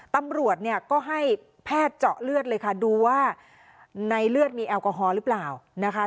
ตำรวจเนี่ยก็ให้แพทย์เจาะเลือดเลยค่ะดูว่าในเลือดมีแอลกอฮอลหรือเปล่านะคะ